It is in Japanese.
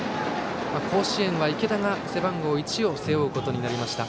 甲子園は池田が背番号１を背負うことになりました。